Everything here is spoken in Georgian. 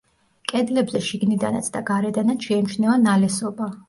კედლებზე შიგნიდანაც და გარედანაც შეიმჩნევა ნალესობა.